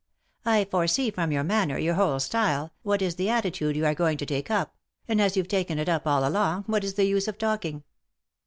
" I foresee, from your manner, your whole style, what is the attitude you are going to take up ; and as you've taken it up all along, what is the use of talking?"